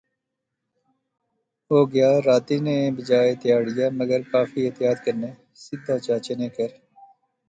او گیا، راتی نے بجائے تہاڑیا، مگر کافی احتیاط کنے, سیدھا چاچے نے کہھر